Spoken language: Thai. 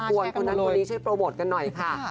ใช่ก็ต้องกวนคนนั้นคนนี้ช่วยโปรโมทกันหน่อยค่ะ